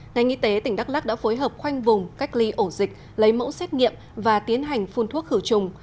ngành y tế tỉnh đắk lắc đã phối hợp khoanh vùng cách ly ổ dịch lấy mẫu xét nghiệm và tiến hành phun thuốc khử trùng